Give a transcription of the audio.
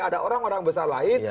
ada orang orang besar lain